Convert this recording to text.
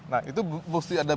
nah itu musti ada